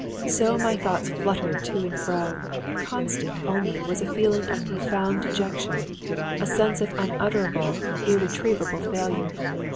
"So my thoughts fluttered to and fro. Constant, only, was a feeling of profound dejection; a sense of unutterable, irretrievable failure.